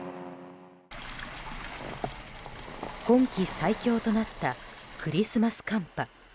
今季最強となったクリスマス寒波。